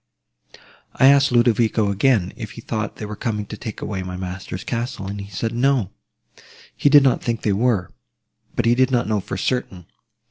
"I asked Ludovico again, if he thought they were coming to take away my master's castle; and he said, No, he did not think they were, but he did not know for certain.